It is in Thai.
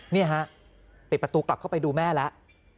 นี่ฮะปิดประตูกลับเข้าไปดูแม่แล้ว